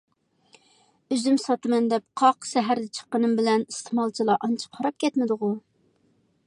ئۈزۈم ساتىمەن دەپ قاق سەھەردە چىققىنىم بىلەن ئىستېمالچىلار ئانچە قاراپ كەتمىدىغۇ؟